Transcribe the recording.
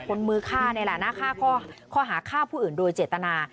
คนมือฆ่าในหลายหน้าข้อข้อหาฆ่าผู้อื่นโดยเจตนา